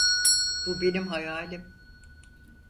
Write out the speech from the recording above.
Bu benim hayalim.